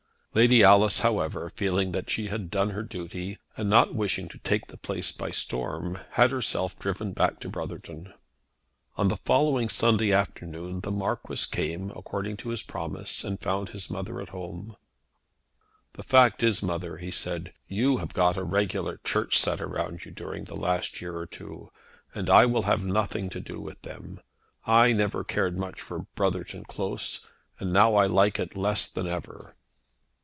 Lady Alice, however, feeling that she had done her duty, and not wishing to take the place by storm, had herself driven back to Brotherton. On the following Sunday afternoon the Marquis came, according to his promise, and found his mother alone. "The fact is, mother," he said, "you have got a regular church set around you during the last year or two, and I will have nothing to do with them. I never cared much for Brotherton Close, and now I like it less than ever."